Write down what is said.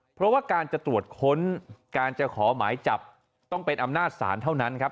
เพราะว่าการจะตรวจค้นการจะขอหมายจับต้องเป็นอำนาจศาลเท่านั้นครับ